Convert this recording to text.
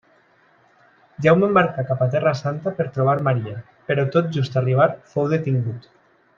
Jaume embarcà cap a Terra Santa per trobar Maria, però tot just arribar fou detingut.